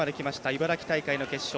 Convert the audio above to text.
茨城大会の決勝。